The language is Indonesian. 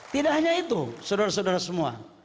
tidak hanya itu saudara saudara semua